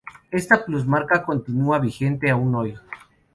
Esta plusmarca continua vigente aun hoy.